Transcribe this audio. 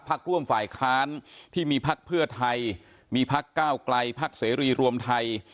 ภักดิ์ร่วมฝ่ายค้านที่มีภักดิ์เพื่อไทยมีภักดิ์ก้าวกลัยภักดิ์เสรีรวมไทย